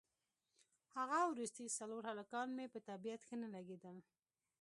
هغه وروستي څلور هلکان مې په طبیعت ښه نه لګېدل.